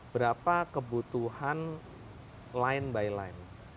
berapa kebutuhan line by line